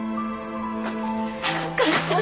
お母さん。